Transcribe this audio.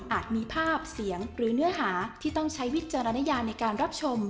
มีภาพเสียงหรือเนื้อหาที่ต้องใช้วิจารณญาในการรับชม